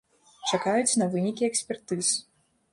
Чакаюць на вынікі экспертыз.